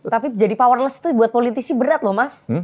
tapi jadi powerless itu buat politisi berat loh mas